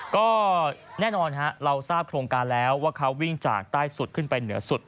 ก็แน่นอนเราทราบโครงการแล้วว่าเขาวิ่งจากใต้สุดขึ้นไปเหนือสุด